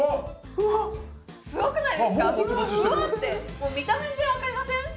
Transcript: もう見た目でわかりません？